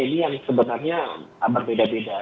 ini yang sebenarnya berbeda beda